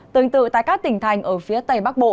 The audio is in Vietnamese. tương tự tại các tỉnh thành ở phía tây bắc bộ